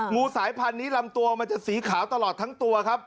ูสายพันธุ์นี้ลำตัวมันจะสีขาวตลอดทั้งตัวครับ